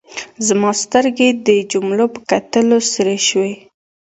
زما سترګې د جملو په کتلو سرې شوې.